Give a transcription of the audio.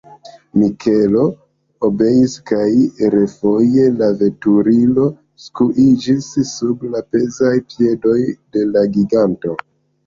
Mikelo obeis kaj refoje la veturilo skuiĝis sub la pezaj piedoj de la giganto.